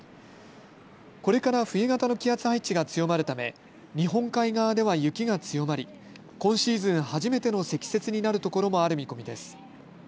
これから冬型の気圧配置が強まるため、日本海側では雪が強まり、今シーズン初めての積雪になるところもある見込みです。